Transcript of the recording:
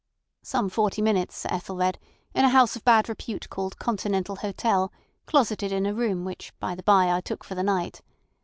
"Some forty minutes, Sir Ethelred, in a house of bad repute called Continental Hotel, closeted in a room which by the by I took for the night.